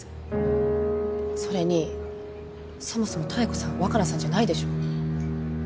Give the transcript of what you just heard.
それにそもそも妙子さん若菜さんじゃないでしょ。